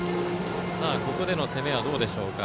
ここでの攻めはどうでしょうか。